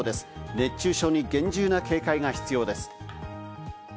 熱中症に厳重な警戒が必要です。